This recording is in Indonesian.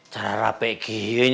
mamah tapi reckless